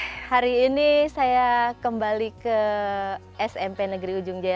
oke hari ini saya kembali ke smp negeri ujung jaya